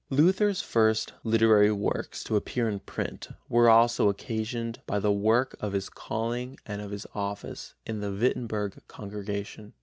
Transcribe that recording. Luther's first literary works to appear in print were also occasioned by the work of his calling and of his office in the Wittenberg congregation.